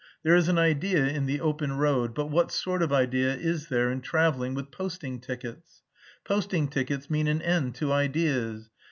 There is an idea in the open road, but what sort of idea is there in travelling with posting tickets? Posting tickets mean an end to ideas.